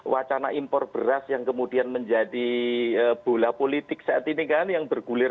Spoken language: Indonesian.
wacana impor beras yang kemudian menjadi bola politik saat ini kan yang bergulir